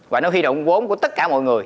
và nó huy động vốn của tất cả mọi người